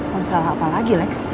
masalah apa lagi lex